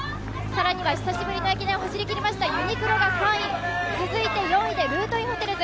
更には久しぶりの駅伝を走りきりましたユニクロが３位、続いて４位でルートインホテルズ。